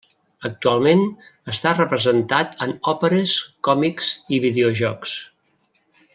Actualment està representat en òperes, còmics i videojocs.